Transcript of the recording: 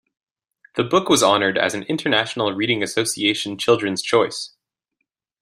The book was honoured as an International Reading Association Children's Choice.